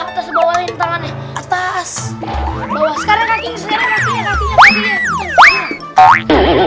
atas bawah tangannya atas sekarang kaki kaki